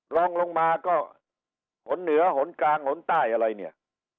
ลองลงมาก็หนเหนือหนกลางหนใต้อะไรเนี่ย